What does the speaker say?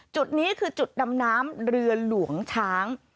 จุดนี้คือจุดดำน้ำเรือหลวงช้าง